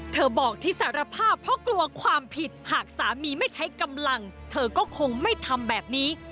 บอกที่สารภาพเพราะกลัวความผิดหากสามีไม่ใช้กำลังเธอก็คงไม่ทำแบบนี้